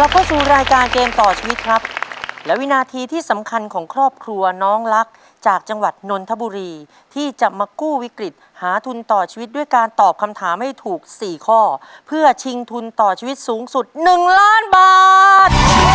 เพื่อชิงทุนต่อชีวิตสูงสุด๑ล้านบาท